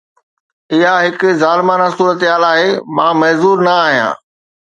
اها هڪ ظالمانه صورتحال آهي، مان معذور نه آهيان